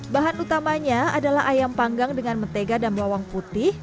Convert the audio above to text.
bahan utamanya adalah ayam panggang dengan mentega dan bawang putih